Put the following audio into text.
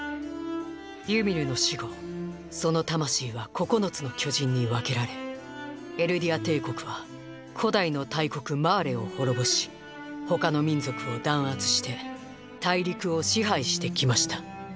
ユミルの死後その魂は「九つの巨人」に分けられエルディア帝国は古代の大国マーレを滅ぼし他の民族を弾圧して大陸を支配してきました。